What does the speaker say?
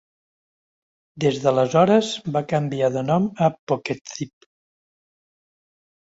Des d'aleshores, va canviar de nom a PocketZip.